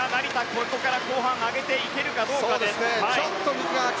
ここから後半上げていけるかどうかです。